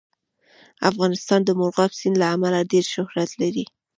افغانستان د مورغاب سیند له امله ډېر شهرت لري.